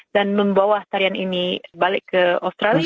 dan membawa tarian ini balik ke australia